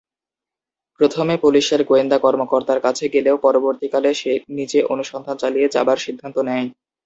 প্রথমে পুলিশের গোয়েন্দা কর্মকর্তার কাছে গেলেও পরবর্তীকালে সে নিজে অনুসন্ধান চালিয়ে যাবার সিদ্ধান্ত নেয়।